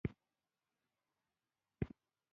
تاسو بار بار غلط نمبر ډائل کوئ ، نمبر به مو بند شي